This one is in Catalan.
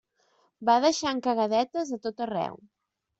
Va deixant cagadetes a tot arreu.